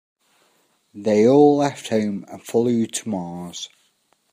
They all left home and flew to Mars.